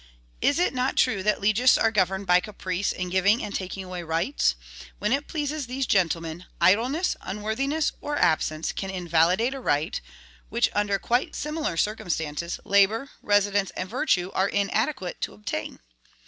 Is it not true that legists are governed by caprice in giving and taking away rights? When it pleases these gentlemen, idleness, unworthiness, or absence can invalidate a right which, under quite similar circumstances, labor, residence, and virtue are inadequate to obtain.